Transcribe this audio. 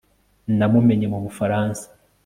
namumenye mubufaransa